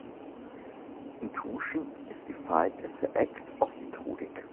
Intrusion is defined as the act of intruding.